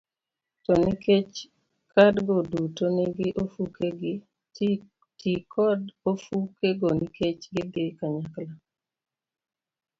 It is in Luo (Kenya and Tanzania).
To nikech kadgo duto nigi ofukegi, ti kod ofukego nikech gidhi kanyakla